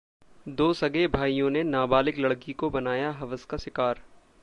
दो सगे भाइयों ने नाबालिग लड़की को बनाया हवस का शिकार